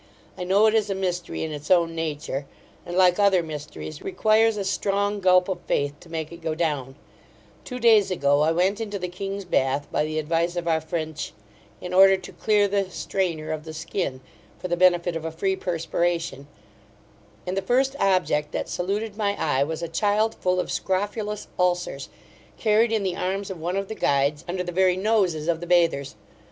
I know it is a mystery in its own nature; and, like other mysteries, requires a strong gulp of faith to make it go down Two days ago, I went into the King's Bath, by the advice of our friend Ch , in order to clear the strainer of the skin, for the benefit of a free perspiration; and the first object that saluted my eye, was a child full of scrophulous ulcers, carried in the arms of one of the guides, under the very noses of the bathers.